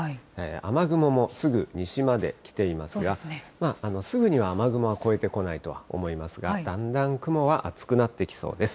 雨雲もすぐ西まで来ていますが、すぐには雨雲はこえてこないとは思いますが、だんだん雲は厚くなってきそうです。